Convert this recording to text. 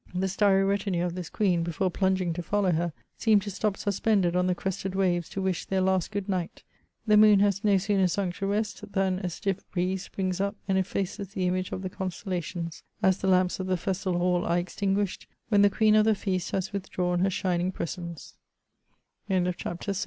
The starry retinue of this queen, before plunging to follow her, seem to stop suspended on the crested waves to wish their last good night. The moon has no sooner sunk to rest, than a stiff breeze springs up and effaces the image of the constellations, as the lamps of the festal hall are extinguished when the queen of the feast h